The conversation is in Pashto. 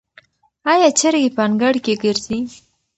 آیا چرګې په انګړ کې ګرځي؟